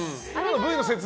Ｖの説明